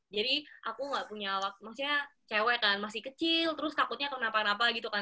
jadi aku nggak punya waktu maksudnya cewek kan masih kecil terus takutnya kenapa napa gitu kan